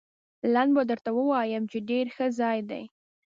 لنډ به درته ووایم، چې ډېر ښه ځای دی.